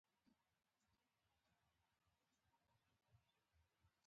د مرکز څخه لویدیځ لورته